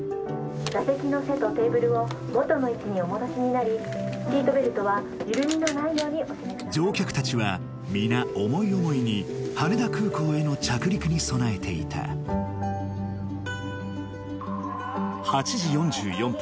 座席の背とテーブルを元の位置にお戻しになりシートベルトは緩みのないように乗客たちは皆思い思いに羽田空港への着陸に備えていた８時４４分